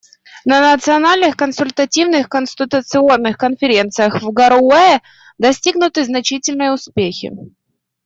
На национальных консультативных конституционных конференциях в Гароуэ достигнуты значительные успехи.